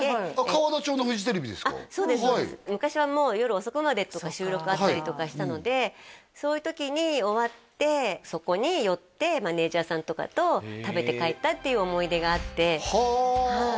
そうですそうです昔はもう夜遅くまでとか収録あったりとかしたのでそういう時に終わってそこに寄ってマネージャーさんとかと食べて帰ったっていう思い出があってはあ